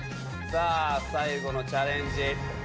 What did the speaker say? さぁ最後のチャレンジ。